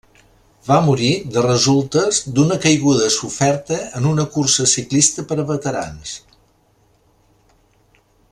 Va morir de resultes d'una caiguda soferta en una cursa ciclista per a veterans.